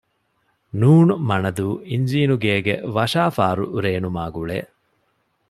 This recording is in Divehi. ނ.މަނަދޫ އިންޖީނުގޭގެ ވަށާފާރު ރޭނުމާގުޅޭ